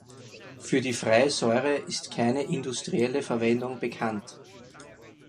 Für die freie Säure ist keine industrielle Verwendung bekannt.